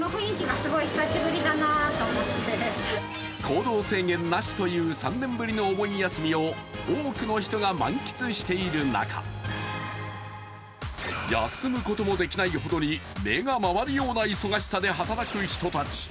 行動制限なしという３年ぶりのお盆休みを多くの人が満喫している中休むこともできないほどに目が回るような忙しさで働く人たち。